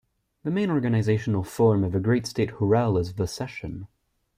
The main organizational form of the State Great Hural is the session.